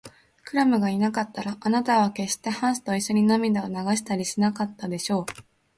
クラムがいなかったら、あなたはけっしてハンスといっしょに涙を流したりしなかったでしょう。